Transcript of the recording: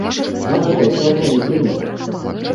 У нас гэта ўсё адно не прынята.